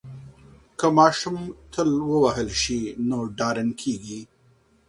که ماشوم تل ووهل شي نو ډارن کیږي.